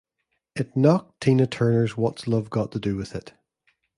It knocked Tina Turner's What's Love Got To Do With It?